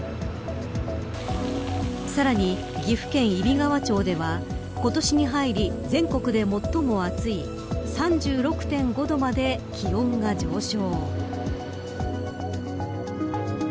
さらに岐阜県揖斐川町では今年に入り、全国で最も暑い３６．５度まで気温が上昇。